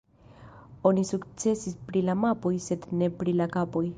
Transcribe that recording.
Oni sukcesis pri la mapoj sed ne pri la kapoj.